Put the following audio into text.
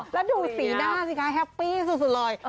แล้วดูสีหน้าสิคะแฮปปี้สุดเลย